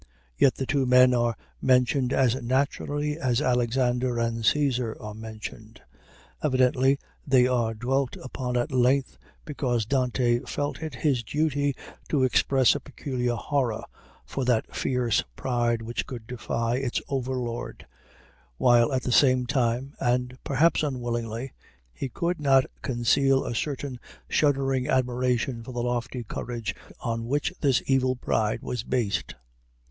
Yet the two men are mentioned as naturally as Alexander and Cæsar are mentioned. Evidently they are dwelt upon at length because Dante felt it his duty to express a peculiar horror for that fierce pride which could defy its overlord, while at the same time, and perhaps unwillingly, he could not conceal a certain shuddering admiration for the lofty courage on which this evil pride was based.